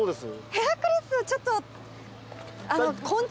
ヘラクレスはちょっと。